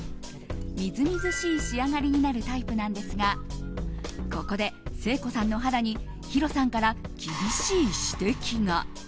みずみずしい仕上がりになるタイプなんですがここで誠子さんの肌にヒロさんから厳しい指摘が。